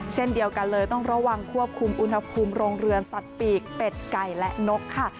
เช่นเดียวกันเลยต้องระวังควบคุมอุณหภูมิโรงเรือนสัตว์ปีกเป็ดไก่และนกค่ะ